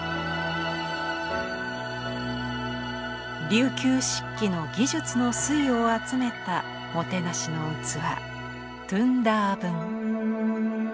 琉球漆器の技術の粋を集めたもてなしの器「東道盆」。